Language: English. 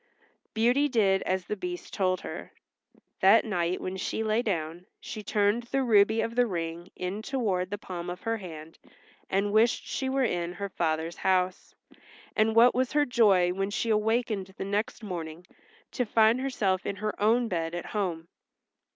Beauty did as the Beast told her. That night when she lay down she turned the ruby of the ring in toward the palm of her hand and wished she were in her father's house, and what was her joy, when she awakened the next morning, to find herself in her own bed at home.